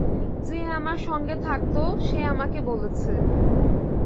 যে আমার সঙ্গে থাকত, সে আমাকে বলেছে।